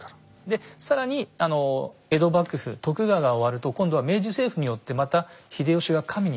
で更に江戸幕府徳川が終わると今度は明治政府によってまた秀吉が神に復活してるんです。